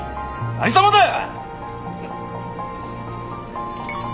何様だよ！